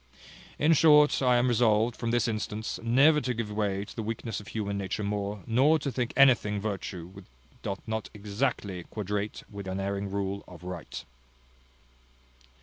In short I am resolved, from this instance, never to give way to the weakness of human nature more, nor to think anything virtue which doth not exactly quadrate with the unerring rule of right."